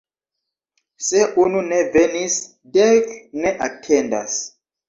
Se unu ne venis, dek ne atendas.